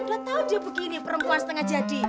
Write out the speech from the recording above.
udah tahu dia begini perempuan setengah jadi